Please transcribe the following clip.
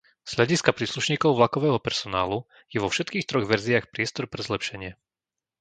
Z hľadiska príslušníkov vlakového personálu je vo všetkých troch verziách priestor pre zlepšenie.